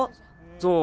そう。